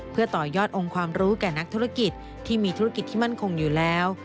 เพื่อต่อยอดองค์ความรู้แก่นักธุรกิจที่มีธุรกิจที่มั่นคงอยู่แล้ว